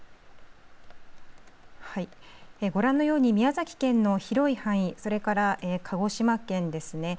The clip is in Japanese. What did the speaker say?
はい、ご覧のように宮崎県の広い範囲それから鹿児島県ですね